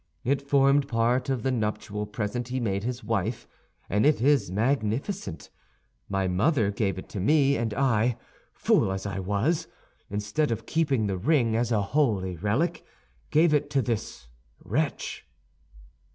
It formed part of the nuptial present he made his wife, and it is magnificent. My mother gave it to me, and I, fool as I was, instead of keeping the ring as a holy relic, gave it to this wretch."